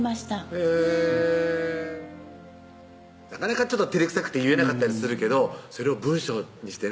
えぇなかなかてれくさくて言えなかったりするけどそれを文章にしてね